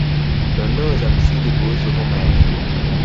Dondoo za msingi kuhusu homa ya ini